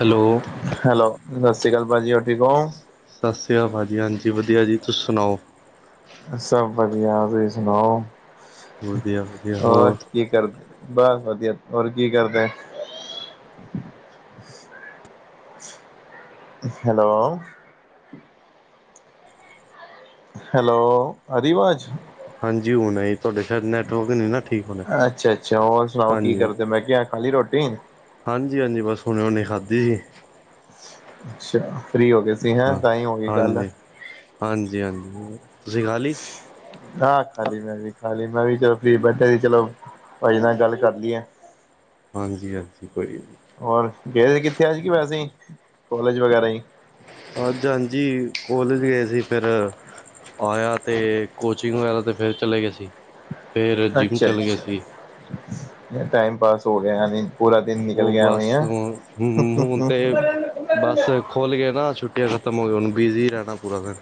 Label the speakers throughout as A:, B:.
A: Hello
B: hello, ਸਤਿ ਸ੍ਰੀ ਅਕਾਲ, ਭਾਜੀ ਹੋਰ ਠੀਕ ਹੋ?
A: ਸਤਿ ਸ਼੍ਰੀ ਅਕਾਲ ਭਾਅ ਜੀ ਹਾਂਜੀ ਵਧੀਆ ਜੀ, ਤੁਸੀ ਸੁਣਾਓ?
B: ਸਭ ਵਧੀਆ, ਤੁਸੀਂ ਸੁਣਾਓ
A: ਵਧੀਆ ਵਧੀਆ
B: ਹੋਰ ਕੀ ਕਰਦੇ ਬਸ ਵਧੀਆ ਹੋਰ ਕੀ ਕਰਦੇ। ਹੈਲੋ। ਹੈਲੋ, ਆ ਰਹੀ ਅਵਾਜ਼?
A: ਹਾਂਜੀ ਹੁਣੇ। ਤੁਹਾਡੇ ਸ਼ਾਇਦ ਨੈਟਵਰਕ ਨਹੀਂ ਨਾ ਠੀਕ ਹੋਣਾ
B: ਅੱਛਾ ਅੱਛਾ ਹੋਰ ਸੁਣਾਓ ਕੀ
A: ਹਾਂਜੀ।
B: ਕਰਦੇ ਮੈਂ ਕਿਹਾ ਖਾਲੀ ਰੋਟੀ
A: ਹਾਂਜੀ, ਹਾਂਜੀ ਬਸ ਹੁਣੇ ਹੁਣੇ ਖਾਧੀ ਸੀ।
B: [unintelligible] ਅੱਛਾ ਫ੍ਰਰੀ ਹੋ ਗਏ। ਸੀ ਹੈਂ
A: ਹਾਂ,
B: ਤਾਂ ਹੀ ਹੋ ਗਈ ਗੱਲ
A: ਹਾਂਜੀ-ਹਾਂਜੀ-ਹਾਂਜੀ, ਤੁਸੀਂ ਖਾ ਲਈ?
B: ਹਾਂ ਖਾਲੀ ਮੈਂ ਵੀ ਖਾਲੀ ਮੈਂ ਵੀ ਜਦੋਂ ਫ੍ਰੀ ਬੈਠਾ ਸੀ, ਚਲੋ। ਭਾਜੀ ਨਾਲ ਗੱਲ ਕਰ ਲਈਏ।
A: ਹਾਂਜੀ-ਹਾਂਜੀ ਕੋਈ ਨਹੀਂ।
B: ਹੋਰ ਗਏ ਸੀ, ਕਿੱਥੇ ਅੱਜ ਕੀ ਹੋਇਆ ਸੀ, ਕੋਲੇਜ ਵਗੈਰਾ ਹੀ।
A: ਅੱਜ ਹਾਂਜੀ ਕੋਲੇਜ ਗਏ ਸੀ ਫਿਰ। ਆਇਆ ਤੇ ਕੋਚਿੰਗ ਵਗੈਰਾ ਤੇ ਫਿਰ ਚਲੇ ਗਏ ਸੀ, ਫੇਰ ਜਿੰਮ
B: ਅੱਛਾ
A: ਚਲੇ ਗਏ
B: ਅੱਛਾ
A: ਸੀ।
B: ਟਾਈਮ ਪਾਸ ਹੋ ਗਿਆ ਐਵੀਂ। ਪੂਰਾ ਦਿਨ ਨਿਕਲ
A: ਉਹ
B: ਗਿਆ
A: ਬਸ
B: ਐਵੀਂ ਹੈ।
A: ਹੁਣ ਖੋਲ੍ਹ ਗਏ ਨਾ ਛੁੱਟੀਆਂ ਖਤਮ ਹੋ ਗਿਆਂ, ਹੁਣ ਬਿਜੀ ਨਾ ਪੂਰਾ ਦਿਨ।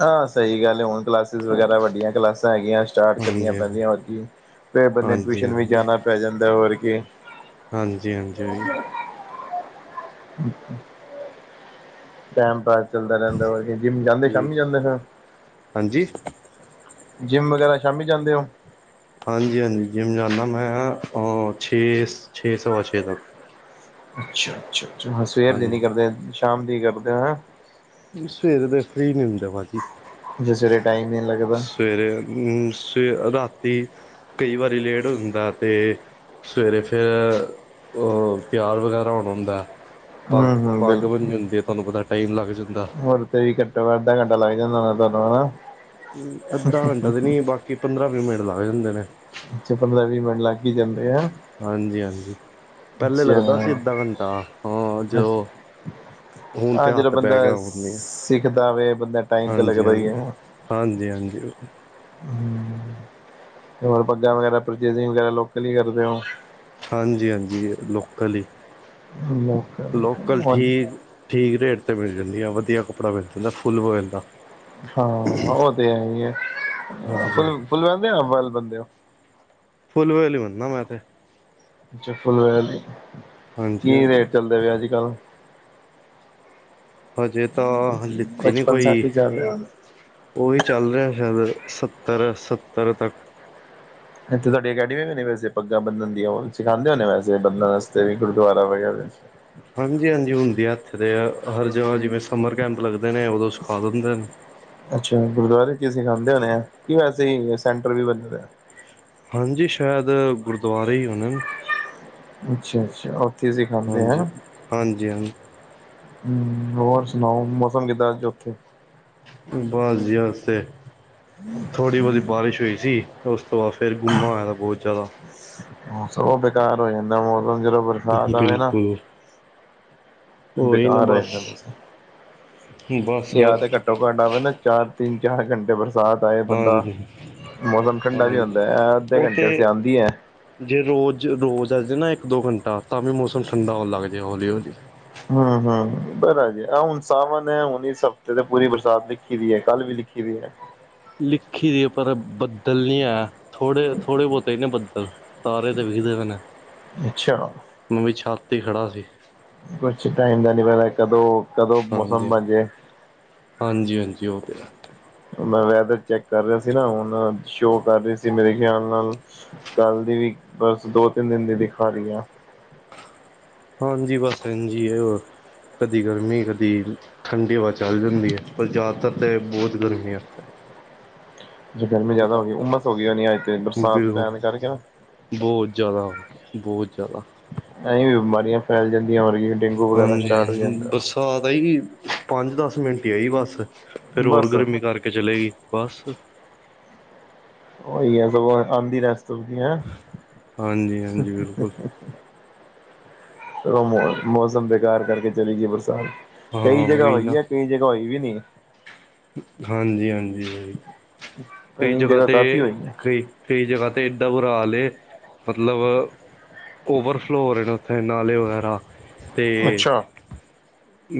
B: ਹਾਂ ਸਹੀ ਗੱਲ ਹੈ, ਹੁਣ ਕਲਾਸਿਸ ਵਗੈਰਾ ਵੱਡੀਆਂ ਕਲਾਸਾਂ ਹੈਗੀਆਂ। ਸਟਾਟ ਕਰਨੀਆਂ
A: ਹਾਂਜੀ ਹਾਂਜੀ
B: ਪੈਂਦੀਆਂ ਹੋਰ ਕਿ, ਫਿਰ ਬੰਦੇ ਨੂੰ
A: ਹਾਂਜੀ ਹਾਂਜੀ
B: ਟਿਊਸ਼ਨ ਵੀ ਜਾਣਾ ਪੈ ਜਾਂਦਾ ਹੋਰ ਕਿ।
A: ਹਾਂਜੀ-ਹਾਂਜੀ,
B: [unintelligible] ਟੈਮ ਪਾਸ ਚੱਲਦਾ ਰਹਿੰਦਾ ਵਲਕੀ, ਜਿੰਮ ਜਾਂਦੇ ਸ਼ਾਮੀ ਜਾਂਦੇ ਫਿਰ?
A: ਹਾਂਜੀ
B: ਜਿੰਮ ਵਗੈਰਾ ਸ਼ਾਮੀ ਜਾਂਦੇ ਹੋ?
A: ਹਾਂਜੀ- ਹਾਂਜੀ। ਜਿੰਮ ਜਾਂਦਾ ਮੈਂ ਛੇ- ਛੇ ਸਵਾ ਛੇ ਤੱਕ।
B: ਅੱਛਾ-ਅੱਛਾ-ਅੱਛਾ ਹਾ ਸਵੇਰ ਦੀ ਨੀ ਕਰਦੇ,
A: ਹਾਂਜੀ
B: ਸ਼ਾਮ ਦੀ ਕਰਦੇ ਹੋ ਅਹਾ?
A: ਸਵੇਰੇ ਦੇ ਫ੍ਰਰੀ ਨੀ ਹੁੰਦੇ ਭਾਜੀ,
B: ਜੇ ਸਵੇਰੇ ਟਾਈਮ ਨੀ ਲੱਗਦਾ
A: ਸਵੇਰੇ ਹੂੰ ਸੇ ਰਾਤੀ ਕਈ ਵਾਰੀ ਲੇਟ ਹੋ ਜਾਂਦਾ, ਤੇ ਸਵੇਰੇ ਫੇਰ, ਉਹ ਤਿਆਰ ਵਗੈਰਾ ਹੋਣਾ ਹੁੰਦਾ ਏ। ਪਾਗ,
B: ਹੂੰ ਹੂੰ
A: ਪਾਗ
B: ਬਿਲਕੁਲ
A: ਬਣਨੀ ਜਾਂਦੀ ਏ, ਤੁਹਾਨੂੰ ਪਤਾ ਟਾਈਮ ਲੱਗ ਜਂ
B: ਹੋਰ ਤੇ ਵੀ ਘੱਟੋ ਘੱ ਅੱਧਾ ਘੰਟਾ ਲੱਗ ਜਾਂਦਾ ਹੋਣਾ ਤੁਹਾਨੂੰ ਹੈਨਾ?
A: ਅੱਧਾ ਕੰਟਾ ਤੇ ਨੀ, ਬਾਕੀ ਪੰਦਰਾਂ ਵੀਹ ਮਿੰਟ ਲੱਗ ਜਾਂਦੇ ਨੇ।
B: ਅੱਛਾ ਪੰਦਰਾਂ ਵੀਹ ਮਿੰਟ ਲੱਗ ਹੀ ਜਾਂਦੇ ਆ।
A: ਹਾਂਜੀ-ਹਾਂਜੀ, ਪੈਲੇ
B: ਅੱਛਾ
A: ਲੱਗਦਾ ਸੀ ਅੱਧਾ ਘੰਟਾ, ਹਾਂ ਜੋ ਹੁਣ
B: ਹਾਂ
A: ਤੇ
B: ਜਦੋਂ
A: ਹਾਥ
B: ਬੰਦਾ
A: ਬਹਿ ਗਿਆ ਹੋਣੀਆ,
B: ਸਿੱਖਦਾ ਵੇ ਬੰਦਾ ਟਾਈਮ ਤੇ ਲੱਗਦਾ ਹੀ
A: ਹਾਂਜੀ-ਹਾਂਜੀ। ਹਾਂਜੀ-ਹਾਂਜੀ।
B: ਹੂੰ, ਹੋਰ ਪੱਗਾਂ ਵਗੈਰਾ ਪਰਚੇਜਿੰਗ ਵਗੈਰਾ ਲੋਕਲ ਈ ਕਰਦੇ ਔ?
A: ਹਾਂਜੀ-ਹਾਂਜੀ ਏ ਲੋਕਲ ਈ।
B: ਹੈ ਲੋ
A: ਲੋਕਲ ਠੀਕ, ਠੀਕ ਰੇਟ ਤੇ ਮਿਲ ਜਾਂਦੀ ਆ, ਵਧੀਆ ਕੱਪੜਾ ਮਿਲ ਜਾਂਦਾ ਫੁੱਲ ਵੈਲ ਦਾ।
B: ਹਾਂ ਉਹ ਤੇ ਹੈ ਈ ਏ,
A: ਹਾਂਜੀ
B: ਫੁੱਲ-ਫੁੱਲ ਵੈ ਬੰਦੇ ਔ ਹਾਫ ਵਾਲ ਬੰਦੇ ਹੋ?
A: ਫੁਲ ਵੈਲ ਈ ਬਣਨਾ ਮੈਂ ਤੇ।
B: ਅੱਛਾ ਫੁਲ ਵੈਲ ਦੀ,
A: ਹਾਂਜੀ
B: ਕੀ
A: ਹਾਂਜੀ
B: ਰੇਟ ਚੱਲਦੇ ਪਏ ਅੱਜ ਕੱਲ?
A: ਹਜੇ ਤਾਂ, ਲਿੱਤੀ ਨੀ
B: ਸੱਠ
A: ਕੋਈ।
B: ਹੀ ਚੱਲ ਰਿਹਾ
A: ਉਹੀ ਚੱਲ ਰਿਹਾ ਸ਼ੈਦ ਸੱਤਰ, ਸੱਤਰ ਤੱਕ।
B: ਏਥੇ ਤੁਹਾਡੀ ਅਕੈਡਮੀ ਵੀ ਨ ਵੈਸੇ ਪੱਗਾਂ ਬਦਣ ਦੀਆਂ, ਉਹ ਸਿਖਾਉਦੇ ਹੋ ਵੈਸੇ ਬਦਣ ਆਸਤੇ ਵੀ ਗੁਰਦੁਆਰਾ ਵਗੈਰਾ ਚ?
A: ਹਾਂਜੀ-ਹਾਂਜੀ ਹੁੰਦੀ ਆ ਏਥੇ ਦੇ ਆ ਹਰ ਜਗ੍ਹਾ ਜਿਵੇਂ ਸਮਰ ਕੈਂਪ ਲੱਗਦੇ ਨੇ, ਉਦੋਂ ਸਿਖਾ ਦਿੰਦੇ ਨੇ।
B: ਅੱਛਾ, ਗੁਰਦੁਆਰੇ ਚ' ਅ ਐ ਸੀਂਖਾਂਦੇ ਹੋਣੇ, ਹੈ ਕੀ ਵੈਸੇ ਹੀ ਸੈਂਟਰ ਵੀ ਬ
A: ਹਾਂਜੀ ਸ਼ੈਦ ਗੁਰਦੁਆਰੇ ਹੀ ਉਨਣ।
B: ਅੱਛਾ-ਅੱਛਾ।
A: ਹਾਂਜੀ, ਹਾਂਜੀ ਹਾਂ।
B: ਹੂੰ ਹੋਰ ਸੁਣਾਓ ਮੌਸਮ ਕਿੱਦਾਂ ਅੱਜ ਔਥੇ?
A: ਬਾਸ ਜੀ ਅੱਜ ਤੇ, ਥੋੜ੍ਹੀ ਬੌਤੀ ਬਾਰਿਸ਼ ਹੋਈ ਸੀ। ਉਸ ਤੋਂ ਬਾਅਦ ਫੇਰ ਗੁੰਮਾ ਹੋਇਆ ਦਾ ਬੌਤ ਜ਼ਿਆਦਾ।
B: ਹਾਂ ਸਗੋਂ ਉਹ, ਬੇਕਾਰ ਹੋ ਜਾਂਦਾ। ਮੌਸਮ ਜਦੋਂ
A: [unintelligible]
B: ਬਰਸਾਤ ਆਵੇ ਨਾ
A: ਬਿਲਕੁਲ। ਉਹੀ ਨਾ
B: ਬੇਕਾਰ ਹੇਗਾ
A: ਬਸ
B: ਅੱਜ ਦਾ ਮੌਸਮ
A: ਬਸ
B: ਯਾਦ ਘਰ ਟਕਾ ਢਾਬਾ ਨਾ ਚਾਰ, ਤਿੰਨ-ਚਾਰ ਘੰਟੇ ਬਰਸਾਤ ਤਾਂ ਇਹ ਬੰਦਾ
A: ਹਾਂਜੀ
B: ਮੌਸਮ ਠੰਡਾ ਵੀ ਹੁੰਦਾ
A: ਹਾਂਜੀ
B: ਐ। ਅੱਧੇ
A: ਉਹ ਤੇ
B: ਘੰਟੇ ਆਉਂਦੀ ਐ।
A: ਜੇ ਰੋਜ਼-ਰੋਜ਼ ਆਜੇ ਨਾ, ਇੱਕ-ਦੋ ਘੰਟਾ ਤਾਂ ਵੀ ਮੌਸਮ ਠੰਡਾ ਹੋਣ ਲੱਗ ਜੇ, ਹੌਲੀ-ਹੌਲੀ।
B: ਹਮ-ਹਮ, ਬੜਾ ਜੀ ਆਹ ਹੁਣ ਸਾਵਨ ਐ, ਹੁਣ ਇਸ ਹਫ਼ਤੇ ਤੇ ਪੂਰੀ ਬਰਸਾਤ ਲਿਖੀ ਦੀ ਐ। ਕੱਲ੍ਹ ਵੀ ਲਿਖੀ ਕਿਵੇਂ ਐ
A: ਲਿਖੀ ਦੀ ਆਪਾਂ ਤਾਂ ਬੱਦਲ ਨੀ ਆਇਆ। ਥੋੜੇ-ਥੋੜੇ ਬੌਤੇ ਈ ਨੇ ਬੱਦਲ, ਤਾਰੇ ਤੇ ਵਿਖਦੇ ਪਏ ਨੇ।
B: ਅੱਛਾ!
A: ਮੈ ਵੀ ਛੱਤ ਤੇ ਖੜਾ ਸੀ।
B: ਕੁੱਛ ਟਾਈਮ ਦਾ ਨੀ ਪਤਾ ਕਦੋਂ, ਕਦੋਂ ਮੌਸਮ ਬਣ ਜੇ।
A: ਹਾਂਜੀ-ਹਾਂਜੀ, ਉਹ ਤੇ ਹੈ।
B: ਮੈਂ ਵੈਦਰ ਚੈਕ ਕਰ ਰਿਹਾ ਸੀ। ਨਾ ਹੁਣ ਸ਼ੋ ਕਰ ਰਹੀ ਸੀ। ਮੇਰੇ ਖਿਆਲ ਨਾਲ ਕੱਲ੍ਹ ਦੀ ਵੀ ਬਸ ਦੋ ਤਿੰਨ ਦਿਨ ਦੀ ਦਿਖਾ ਰਹੀ ਆ।
A: ਹਾਂਜੀ ਬਸ ਇਜੀ ਹੈ ਕਦੀ ਗਰਮੀ ਕਦੀ, ਠੰਡੀ ਹਵਾ ਚੱਲ ਜਾਂਦੀ ਹੈ, ਪਰ ਜ਼ਿਆਦਾਤਰ ਤੇ ਬਹੁਤ ਗਰਮੀ ਹੈ ਇੱਥੇ
B: ਜ ਗਰਮੀ ਜ਼ਿਆਦਾ ਹੋ ਗਈ, ਉਮਸ ਹੋ ਗਈ ਯਾਨੀ ਅਜ ਤੇ ਬਰਸਾਤ
A: ਬਿਲਕੁਲ
B: ਪੈਣ ਕਰਕੇ ਨਾ।
A: ਬਹੁਤ ਜਿਆਦਾ ਬਹੁਤ ਜਿਆਦਾ।
B: ਐਵੀ ਬਿਮਾਰੀਆਂ ਫੈਲ ਜਾਂਦੀਆਂ, ਵਰਗੀਆਂ ਡੇਂਗੂ ਵਗੈਰਾ ਸਟਾਰਟ ਹੋ ਜਾਂਦਾ।
A: ਘਾ ਤਾਂ ਆਈ ਪੰਜ ਦਸ ਮਿੰਟ ਹੀ ਆਈ ਬੱਸ ਫਿਰ ਹੋਰ
B: ਬਸ
A: ਗਰਮੀ ਕਰਕੇ ਚਲੇ ਗਈ। ਬਸ,
B: ਉਹੀ ਆ ਸ ਆਉਂਦੀ ਰਸ ਹੈਂ।
A: ਹਾਂਜੀ ਹਾਂਜੀ ਬਿਲਕੁਲ
B: ਮੌਸਮ ਬੇਕਾਰ ਕਰਕੇ ਚਲੀ ਗਈ ਬਰਸਾਤ
A: ਹਾਂ
B: ਕਈ ਜਗ੍ਹਾ
A: ਉਹੀ
B: ਹੋਈ
A: ਨਾ
B: ਹੈ ਕਈ ਜਗ੍ਹਾ ਹੋਈ ਵੀ ਨੀ
A: ਹਾਂਜੀ ਹਾਂਜੀ ਕਈ ਜਗ੍ਹਾ ਤੇ
B: ਕਾਫ਼ੀ ਹੋਈ ਹੈ
A: ਕਈ ਕਈ ਜਗ੍ਹਾ ਤੇ ਏਡਾ ਬੁਰਾ ਹਾਲ ਹੈ ਮਤਲਬ ਓਵਰਫਲੋਰ ਨੇ ਉੱਥੇ ਨਾਲੇ ਵਗੈਰਾ ਤੇ,
B: ਅੱਛਾ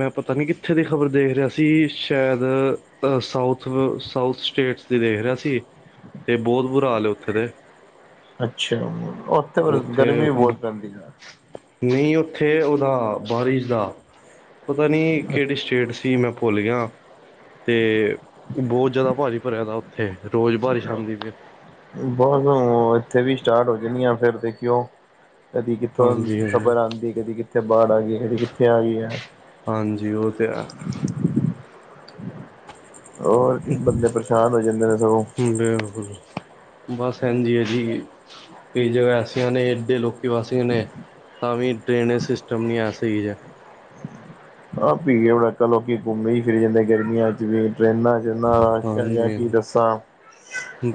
A: ਮੈਂ ਪਤਾ ਨੀ ਕਿੱਥੇ ਦੀ ਖ਼ਬਰ ਦੇਖ ਰਿਹਾ ਸੀ ਸ਼ਾਇਦ ਸਾਊਥ ਸਾਊਥ ਸਟੇਟ ਦੇਖ ਰਿਹਾ ਸੀ ਤੇ ਬਹੁਤ ਬੁਰਾ ਹਾਲ ਉੱਥੇ ਦੇ
B: ਅੱਛਾ, ਉੱਥੇ ਗਰਮੀ ਵੀ ਬਹੁਤ ਪੈਂਦੀ ਯਾ।
A: ਨਹੀਂ ਉੱਥੇ ਉਹਦਾ ਬਾਰਿਸ਼ ਦਾ ਪਤਾ ਨੀ ਕਿਹੜੀ ਸਟੇਟ ਸੀ ਮੈਂ ਭੁੱਲ ਗਿਆ ਤੇ ਬਹੁਤ ਜ਼ਿਆਦਾ ਭਾਰੀ ਭਰਿਆ ਤਾ ਉੱਥੇ ਰੋਜ਼ ਬਾਰਿਸ਼ ਆਉਂਦੀ ਪਇਆ
B: ਬਸ ਇੱਥੇ ਵੀ ਸਟਾਰਟ ਹੋ ਜਾਣੀ ਆ ਫਿਰ ਦੇਖਿਓ ਕਦੀ ਕਿੱਥੋਂ
A: ਹਾਂਜੀ ਹਾਂਜੀ
B: ਖਬਰ ਆਉਂਦੀ ਕਦੀ ਕਿੱਥੇ ਬਾੜ ਆਈ ਕਦੀ ਕਿੱਥੇ ਆਈ ਹੈ
A: ਹਾਂਜੀ ਉਹ ਤਾਂ ਹੈ
B: ਹੋਰ ਬੰਦੇ ਪਰੇਸ਼ਾਨ ਹੋ ਜਾਂਦੇ ਨੇ ਸਗੋਂ
A: ਬਿਲਕੁਲ ਬਸ ਹਜੀ ਹੈ ਜੀ ਕਈ ਜਗ੍ਹਾ ਐਸੀਆਂ ਨੇ ਏਡੇ ਲੋਕ ਕਿ ਬਸ ਨੇ ਤਾਂ ਵੀ ਡਰੇਨਜ [unintelligible] ਸਿਸਟਮ ਨਹੀਂ ਹੈ ਸਹੀ ਜਯਾ
B: ਹਾਂਜੀ ਜਦੋ ਆਪਾ ਲੋਕੀ ਘੁੰਮੇ ਫਿਰਨ ਜਾਂਦੇ ਗਰਮੀਆਂ ਚ ਵੀ ਟ੍ਰੇਨਾਂ ਚ ਜਿੰਨਾ ਰਾਸ਼ ਹੈਗਾ
A: ਹਾਂਜੀ
B: ਕੀ ਦੱਸਾਂ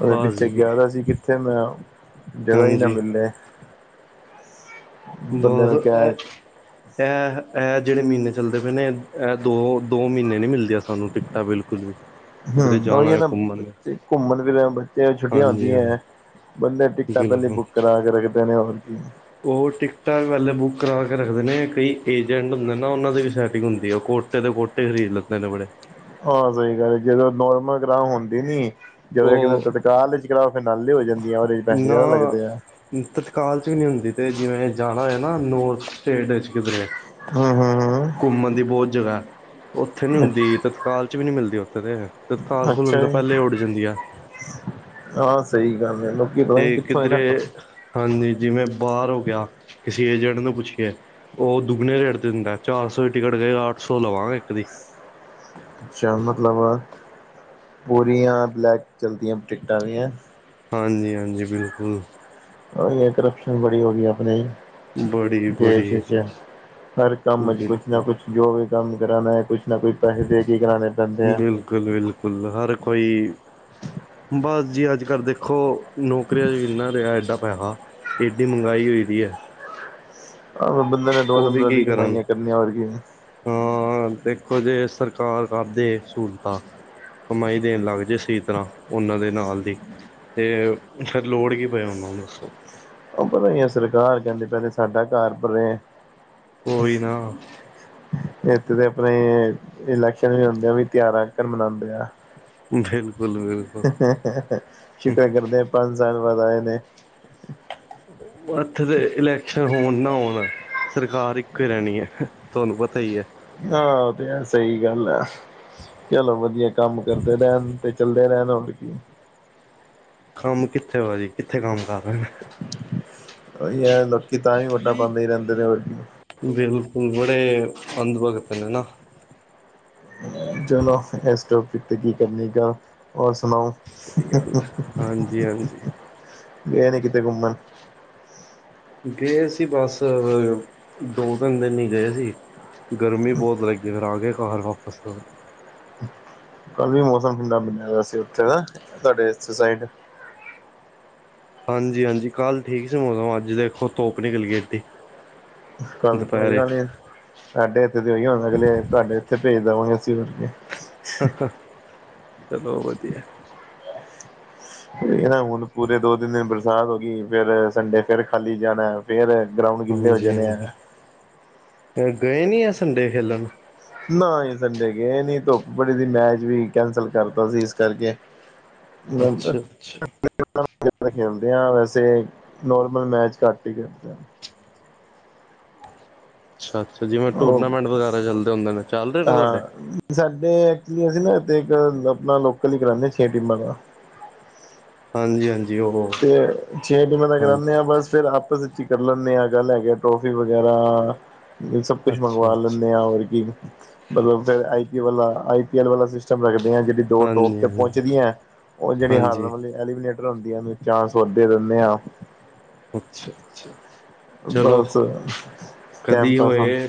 B: ਉਹਦੇ ਪਿੱਛੇ
A: ਜੀ
B: ਗਿਆ ਤਾਂ ਸੀ ਕਿੱਥੇ ਮੈਂ ਜ੍ਗ ਹੀ ਨਾ
A: ਹਾਂਜੀ
B: ਮਿਲੇ ਬੰਦੇ
A: ਬਸ
B: ਨੂੰ
A: ਅ
B: ਕਹਿ
A: ਇਹ ਇਹ ਜਿਹੜੇ ਮਹੀਨੇ ਚੱਲਦੇ ਪਏ ਨੇ ਇਹ ਦੋ ਦੋ ਮਹੀਨੇ ਨੀ ਮਿਲਦੇ ਤੁਾਨੂੰ ਟਿਕਤਾ ਬਿਲਕੁਲ ਵੀ ਕਿਧਰੇ
B: ਹਮ
A: ਜਾਣਾ
B: ਉਹੀ ਹੈ
A: ਹੋਏ
B: ਨਾ
A: ਘੁੰਮਣ
B: ਬੇ ਘੁੰਮਣ ਫਿਰਨ ਬੱਚਿਆਂ ਛੁੱਟੀਆਂ
A: ਹਾਂਜੀ
B: ਆਉਂਦੀਆਂ
A: ਹਾਂਜੀ
B: ਹੈ ਬੰਦੇ ਟਿਕਟਾਂ ਪਹਿਲਾਂ
A: ਬਿਲਕੁਲ
B: ਬੁੱਕ ਕਰਾ ਕੇ ਰੱਖਦੇ ਨੇ ਹੋਰ ਕੀ
A: ਉਹ ਟਿਕਟਾਂ ਵੀ ਪਹਿਲੇ ਬੁੱਕ ਕਰਾ ਕੇ ਰੱਖਦੇ ਨੇ ਕਈ ਏਜੰਟ ਹੁੰਦੇ ਨਾ ਉਹਨਾਂ ਦੀ ਵੀ ਸੈਟਿੰਗ ਹੁੰਦੀ ਹੈ ਉਹ ਕੋਟੇ ਦੇ ਕੋਟ ੇਰੀ ਲੈ ਬੜੇ
B: ਹਾਂ ਸਹੀ ਗੱਲ ਹੈ ਜਦੋਂ ਨੋਰਮਲ ਗ੍ਰਾਹ ਹੁੰਦੀ ਨੀ ਜਦੋਂ
A: ਉਹ
B: ਕਿਸੇ ਚਾਹ ਚਚਾਓ ਫਿਰ ਨਾਲੇ ਹੋ ਜਾਂਦੇ
A: ਨਾ ਤਤਕਾਲ 'ਚ ਵੀ ਨਹੀਂ ਹੁੰਦੀ ਅਤੇ ਜਿਵੇਂ ਜਾਣਾ ਹੋਆ ਨਾ ਨੌਰਥ ਸਟੇਟ ਵਿੱਚ ਕਿਧਰੇ
B: ਹਮ ਹਮ
A: ਘੁੰਮਣ ਦੀ ਬਹੁਤ ਜਗ੍ਹਾ ਉੱਥੇ ਨੀ ਹੁੰਦੀ ਤਤਕਾਲ ਚ ਵੀ ਨੀ ਮਿਲਦੀ ਉੱਥੇ ਤੇ ਤਤਕਾਲ ਖੁੱਲਣ
B: ਅੱਛਾ
A: ਤੋਂ
B: ਜੀ
A: ਪਹਿਲੇ ਉੱਡ ਜਾਂਦੀ ਆ
B: ਹਾਂ ਸਹੀ ਗੱਲ ਹੈ ਲੋਕੀ ਪਤਾ ਨੀ
A: ਤੇ
B: ਕਿੱਥੋਂ
A: ਕਿੱਧਰੇ
B: [unintelligible]
A: ਹਾਂਜੀ ਜਿਵੇਂ ਬਾਹਰ ਹੋ ਗਿਆ ਕਿਸੇ ਏਜੰਟ ਨੂੰ ਪੁੱਛ ਕੇ ਉਹ ਦੁੱਗਣੇ ਰੇਟ ਤੇ ਦਿੰਦਾ ਚਾਰ ਸੌ ਦੀ ਟਿਕਟ ਕਏ ਅੱਠ ਸੌ ਲਵਾਂਗੇ ਇੱਕ ਦੀ
B: ਅੱਛਾ ਮਤਲਬ ਪੂਰੀਆਂ ਬਲੈਕ ਚਲਦੀਆਂ ਟਿਕਟਾਂ ਵੀਆਂ
A: ਹਾਂਜੀ ਹਾਂਜੀ ਬਿਲਕੁਲ
B: ਉਹੀ ਹੈ ਕਰਪਸ਼ਨ ਬੜੀ ਹੋ ਗਈ ਆਪਣੇ ਹੀ
A: ਬੜੀ
B: ਦੇਸ਼
A: ਬੜੀ
B: ਵਿਚ ਹਰ ਕੰਮ ਚ ਕੁਛ ਨਾ
A: ਬਿਲਕੁਲ
B: ਕੁਛ ਜੋ ਵੀ ਕੰਮ ਕਰਾਣਾ ਕੁਛ ਨਾ ਕੁਛ ਪੈਸੇ ਦੇ ਕੇ ਕਰਉਣੇ ਪੈਂਦੇ ਹੈ।
A: ਬਿਲਕੁਲ, ਬਿਲਕੁਲ ਹਰ ਕੋਈ ਬਸ ਜੀ ਅੱਜ ਕੱਲ ਦੇਖੋ। ਨੌਕਰੀਆਂ 'ਚ ਇੰਨਾ ਰਿਹਾ ਐਡਾ ਪੈਸਾ ਐਡੀ ਮਹਿੰਗਾਈ ਹੋ ਦੀ ਹੈ।
B: ਆਹੋ ਬੰਦੇ ਨੇ ਦੋ
A: ਉਹ ਵੀ
B: ਨੰਬਰਾਂ
A: ਕੀ
B: ਦੀਆਂ
A: ਕਰਨ
B: ਕਮਾਈਆਂ ਕਰਨੀਆਂ ਹੋਰ ਕੀ
A: ਹਾਂ ਦੇਖੋ ਜੇ ਸਰਕਾਰ ਕਰਦੇ ਸਹੂਲਤਾਂ ਕਮਾਈ ਦੇਣ ਲੱਗ ਜਏ ਸਹੀ ਤਰ੍ਹਾਂ ਉਹਨਾਂ ਦੇ ਨਾਲ ਦੀ ਤੇ ਫਿਰ ਲੋੜ ਕੀ ਪਿਆ ਉਹਨਾ ਨੂੰ ਦੱਸੋ?
B: ਉਹ ਭਤਾ ਸਰਕਾਰ ਕਹਿੰਦੇ ਪਹਲੇ ਸਾਡਾ ਘਰ ਭਰੇ
A: ਉਹੀ ਨਾ
B: ਇੱਥੇ ਤੇ ਆਪਣੇ ਇਲੈਕਸ਼ਨ ਵੀ ਹੁੰਦੇ ਆ ਵੀ ਤਿਉਹਾਰਾ ਫਿਰ ਵਿਚ ਮਨਾਉਂਦੇ ਆ।
A: ਬਿਲਕੁਲ, ਬਿਲਕੁਲ।
B: ਸ਼ਟਾ ਕਰਦੇ ਹ ਪੰਜ ਸਾਲ ਬਾਅਦ ਆਏ ਨ
A: ਇੱਥੇ ਦੇ ਇਲੈਕਸ਼ਨ ਹੋਣ ਨਾ ਹੋਣ ਸਰਕਾਰ ਇੱਕੋ ਹੀ ਰਹਿਣੀ ਹੈ ਤੁਹਾਨੂੰ ਪਤਾ ਹੀ ਹੈ।
B: ਹਾਂ ਉਹ ਤੇ ਹੈ ਸਹੀ ਗੱਲ ਆ ਚਲੋ ਵਧੀਆ ਕੰਮ ਕਰਦੇ ਰਹਿਣ ਤੇ ਚੱਲ ਤੇ ਰਹਿਣਾ ਹੋਰ ਕੀ
A: ਕੰਮ ਕਿੱਥੇ ਹੋ ਜੀ ਕਿੱਥੇ ਕੰਮ ਕਰ ਰਹੇ ਨੇ
B: ਹੀ ਲੋਕੀ ਤਾਂ ਵੀ ਵੋਟਾਂ ਪਾਉਂਦੇ ਹੀ ਰਹਿੰਦੇ ਨੇ
A: ਬਿਲਕੁਲ ਬੜੇ ਅੰਦਰੋ ਗਤੇ ਨਾ
B: ਜੋ ਨਾ ਇਸ ਟੋਪਿਕ ਤ ਕੀ ਕਰਨ ਕ ਹੋਰ ਸੁਣਾਓ
A: ਸਹੀ ਗੱਲ ਹੈ ਹਾਂਜੀ ਹਾਂਜੀ
B: ਗਏ ਨੀ ਕਿਤੇ ਘੁੰਮਣ?
A: ਗਏ ਸੀ ਬਸ ਦੋ ਤਿੰਨ ਦਿਨ ਹੀ ਗਏ ਸੀ। ਗਰਮੀ ਬਹੁਤ ਲੱਗੀ ਫਿਰ ਆ ਗਏ ਘਰ ਵਾਪਸ
B: ਕੱਲ ਵੀ ਮੌਸਮ ਠੰਡਾ ਬਣਿਆ ਸੀ ਉੱਥੇ ਦਾ ਤੁਹਾਡੇ ਇਸ ਸਾਈਡ
A: ਹਾਂਜੀ, ਹਾਂਜੀ ਕੱਲ੍ਹ ਠੀਕ ਸੀ ਮੌਸਮ ਅੱਜ ਦੇਖੋ ਧੁੱਪ ਨਿਕਲ ਗਈ ਇੱਡੀ
B: ਕੱਲ ਕੋਈ ਗਲ ਨਹੀ ਸਾਡੇ ਇੱਥੇ ਤੇ ਉਹੀ ਹਦਾ ਅਗਲੇ ਤੁਹਾਡੇ ਇੱਥੇ ਭੇਜ ਦੇ ਹੋਗੇ ਅਸੀਂ ਹੁਨੇ
A: ਚਲੋ ਵਧੀਆ।
B: ਇਹ ਨਾ ਹੁਣ ਪੂਰੇ ਦੋ ਤਨ ਦਿਨ ਬਰਸਾਤ ਹੋ ਗਈ ਫੇਿਰ ਸੰਡੇ ਫੇਿਰ ਖਾਲੀ ਜਾਣਾ। ਫੇਰ ਗਰਾੳਡ
A: ਹਾਂਜੀ, ਹਾਂਜੀ ਗਏ ਨੀ ਆ ਸੰਡੇ ਖੇਲਣ
B: ਨਾ ਹੀ ਸੰਡੇ ਗਏ ਨੀ ਧੁੱਪ ਬੜੀ ਸੀ। ਮੈਚ ਵੀ ਕੈਂਸਲ ਕਰ ਦਿਤਾ ਸੀ ਇਸ ਕਰਕੇ [unintelligible]
A: ਅੱਛਾ ਅੱਛਾ
B: ਖੇਡਦੇ ਹ ਵੈਸੇ ਨੋਰਮਲ ਮੈਚ ਘੱਟ ਹੀ ਖੇਡਦੇ ਆ।
A: ਅੱਛਾ ਅੱਛਾ ਜਿਵੇਂ
B: ਉਹ
A: ਟੂਰਨਾਮੈਂਟ ਵਗੈਰਾ ਚੱਲਦੇ ਹੁੰਦੇ ਨੇ ਚੱਲ ਰਹੇ ਨੇ ਤੁਹਾਡੇ।
B: ਹਾ ਸਾਡੇ ਐਕਚੁਲੀ ਅਸੀਂ ਨਾ ਇੱਥੇ ਇੱਕ ਆਪਣਾ ਲੋਕਲ ਹੀ ਕਰਾਉਂਦੇ ਹਾਂ ਛੇ ਟੀਮਾਂ ਦਾ।
A: ਹਾਂਜੀ, ਹਾਂਜੀ। ਉਹ
B: ਤੇ ਛੇ ਦਿਨਾ ਤਾਂ ਕਰਾਦੇ
A: ਹਾਂਜੀ
B: ਹਾਂ ਬਸ ਫਿਰ ਆਪਸ ਚ ਕਰ ਲੈਂਦੇ ਹਾਂ ਕੱਲ੍ਹ ਹੈਗੇ ਟਰੋਫੀ ਵਗੈਰਾ ਸਬ ਕੁਛ
A: ਅੱਛਾ
B: ਮੰਗਵਾ
A: ਅੱਛਾ
B: ਲੈਂਦੇ ਆਾਂ ਹੋਰ ਕੀ ਮਤਲਬ ਫਿਰ ਆਈ ਪੀ ਵਾਲਾ ਆਈ ਪੀ ਐਲ ਵਾਲਾ ਸਟਮ ਰੱਖਦੇ ਹ ਜਿਹੜੀ ਦੋ ਟੋਪ
A: ਹਾਂਜੀ
B: ਤੇ
A: ਹਾਂਜੀ
B: ਪਹੁੰਚਦੀਆਂ ਉਹ ਜਿਹੜੀ ਹਾਰਨ
A: ਹਾਂਜੀ
B: ਵਾਲੀ ਐਲੀਮੀਨੇਟਰ ਹੁੰਦੀਆਂ ਨੇ ਚਾਸ ਵੱਧਦੈ ਰਹਿਦੇ ਆ।
A: ਅੱਛਾ, ਅੱਛਾ ਚਲੋ
B: ਬਸ ਟਾਈਮ
A: ਕਦੀ
B: ਪਾਸ
A: ਹੋਏ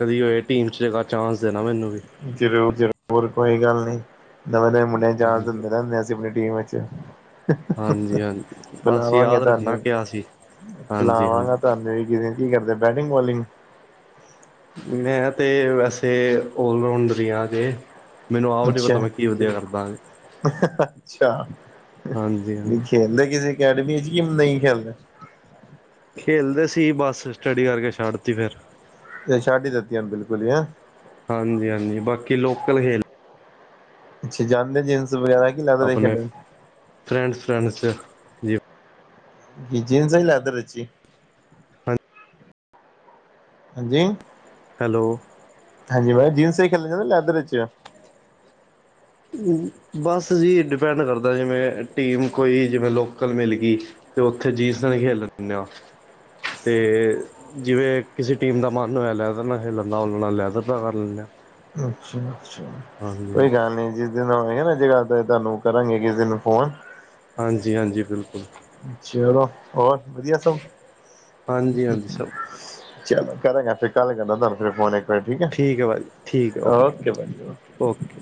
A: ਕਦੀ ਹੋਏ ਟੀਮ ਚ ਜਗਾ ਚਾਂਸ ਦੇਣਾ ਮੈਨੂੰ ਵੀ
B: ਜ਼ਰੂਰ, ਜ਼ਰੂਰ ਕੋਈ ਗੱਲ ਨੀ ਨਵੇਂ, ਨਵੇਂ ਮੁੰਡੇ ਚਾਸ
A: ਹਾਂਜੀ,
B: ਦਿੰਦੇ ਰਹਿੰਦੇ ਅਸੀਂ ਆਪਣੀ ਟੀਮ ਵਿਚ
A: ਹਾਂਜੀ, ਹਾਂਜੀ ਬਸ
B: ਬੁਲਾਵਾਂਗੇ
A: ਯਾਦ ਰੱਖਣਾ
B: ਤੁਹਾਨੂੰ
A: ਕਿਆ ਸੀ। ਹਾਂਜੀ,
B: ਲਾਵਾਂਗਾ
A: ਹਾਂਜੀ
B: ਤੁਹਨੂੰ ਵੀ ਕੀ ਕਰਦੇ ਬੈਟਿੰਗ ਬੋਲਿੰਗ
A: ਮੈਂ ਤੇ ਵੈਸੇ ਆਲ ਰਾਊਂਡਰ ਹੀ ਹਾਂ ਅਜੇ ਮੈਨੂੰ ਆਹ ਨੀ
B: ਅੱਛਾ
A: ਪਤਾ ਮੈਂ ਕੀ ਵਧੀਆ ਕਰਦਾ। ਹਾਂਜੀ,
B: ਨਹੀਂ
A: ਹਾਂਜੀ
B: ਖੇਲਦੇ ਕਿਸੇ ਅਕੈਡਮੀ ਚ ਕਿ ਨਹੀਂ ਖੇਲਦਾ।
A: ਖੇਲਦੇ ਸੀ ਬਸ ਸਟੱਡੀ ਕਰਕੇ ਛੱਡ ਤ ਫੇਰ
B: ਇਹ ਛਾਡੀ ਦਿੱਤੀਆਂ ਬਿਲਕੁਲ ਹੀ ਹੈ।
A: ਹਾਂਜੀ, ਹਾਂਜੀ ਬਾਕੀ ਲੋਕਲ ਖੇਲ
B: ਅੱਛਾ ਜਾਂਦੇ ਜੀਮਸ ਵਗੈਰਾ ਕਿ ਲੈਦਰ ਹੀ
A: ਆਪਣੇ
B: ਖੇਡਣ
A: ਫਰੈਂਡਸ, ਫਰੈਂਡਸ ਚ ਜੀ
B: ਜੀਨਸ ਹੀ ਲਿਆਦਰੀ ਇਚ ਹੀ
A: ਹਾਂਜੀ।
B: ਹਾਂਜੀ
A: ਹੈਲੋ
B: ਹਾਂਜੀ ਬ ਜੀਨਸ ਹੀ ਖੇਲਣ ਜਾਂਦਾ ਲੈਦਰ ਚ
A: ਬਸ ਜੀ ਡਿਪੈਂਡ ਕਰਦਾ, ਜਿਵੇਂ ਟੀਮ ਕੋਈ ਜਿਵੇਂ ਲੋਕ ਕਲ ਮਿਲ ਗਈ ਤੇ ਉੱਥੇ ਜਿਸ ਦਿਨ ਖੇਲ ਲੈਂ ਆ ਤੇ ਜਿਵੇਂ ਕਿਸੇ ਟੀਮ ਦਾ ਮਨ ਹੋਇਆ, ਲੈਦਰ ਨਾਲ ਖੇਲਣ ਦਾ ਉਲਣਾ ਲੈਦਰ ਨਾਲ ਕਰ ਲੈਂਦੇ ਹਾ
B: ਅੱਛਾ, ਅੱਛਾ ਕੋਈ
A: ਹਾਂਜੀ
B: ਗੱਲ ਨੀ ਜੀ। ਕਿਸ ਦਿ ਨਾ ਜਿੜਾ ਤੁਹਾਨੂੰ ਕਰਾਂਗੇ ਕਿਸੇ ਦਿਨ ਫੋਨ [unintelligible]
A: ਹਾਂਜੀ, ਹਾਂਜੀ ਬਿਲਕੁਲ।
B: ਚਲੋ, ਹੋਰ ਵਧੀਆ ਸਭ
A: ਹਾਂਜੀ ਹਾਂਜੀ ਸਭ
B: ਚਲੋ, ਕਰਾਂਗਾ ਫਿਰ ਕੱਲ ਕਰਨਾ ਤੁਹਾਨੂੰ ਫਿਰ ਫੋਨ ਇੱਕ ਵਾਰੀ ਠੀਕ ਹੈ, ਓਕੇ ਭਾਜੀ ਜੀ ਓਕੇ।
A: ਓਕੇ।